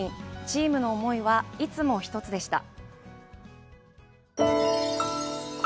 チームの思いは、いつも１つでした。